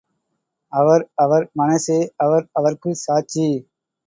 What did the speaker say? அவர் அவர் மனசே அவர் அவர்க்குச் சாட்சி.